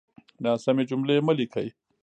ناسمې جملې مه ليکئ!